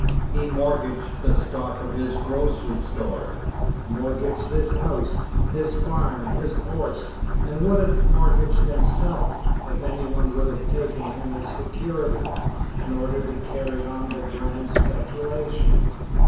He mortgaged the stock of his grocery store, mortgaged his house, his barn, his horse, and would have mortgaged himself, if anyone would have taken him as security, in order to carry on the grand speculation.